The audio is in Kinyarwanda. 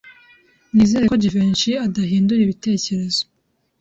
Nizere ko Jivency adahindura ibitekerezo.